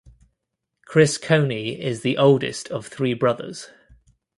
Chris Coney is the oldest of three brothers.